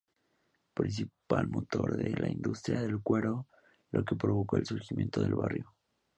Principal promotor de la industria del cuero, la que provocó el surgimiento del barrio.